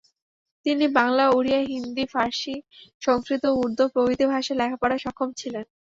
তিনি বাংলা, ওড়িয়া, হিন্দী, ফার্সি, সংস্কৃত ও উর্দু প্রভৃতি ভাষায় লেখা-পড়ায় সক্ষম ছিলেন।